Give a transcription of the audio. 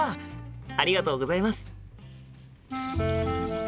ありがとうございます。